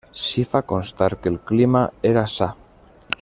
S'hi fa constar que el clima era sa.